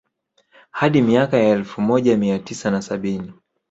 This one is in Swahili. Hadi miaka ya elfu moja mia tisa na sabini